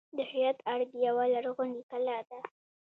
د هرات ارګ یوه لرغونې کلا ده